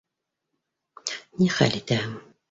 Ни хәл итәһең